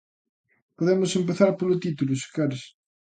Podemos empezar polo título, se queres.